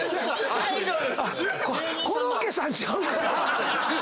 コロッケさんちゃうから。